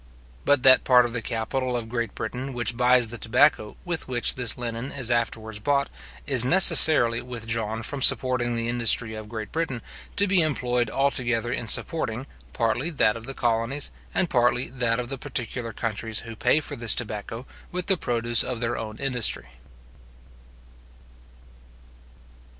But that part of the capital of Great Britain which buys the tobacco with which this linen is afterwards bought, is necessarily withdrawn from supporting the industry of Great Britain, to be employed altogether in supporting, partly that of the colonies, and partly that of the particular countries who pay for this tobacco with the produce of their own industry.